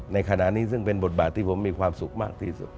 ในขณะนี้ซึ่งเป็นบทบาทที่ผมมีความสุขมากที่สุด